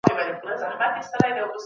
کېدای سي اوبه سړې وي.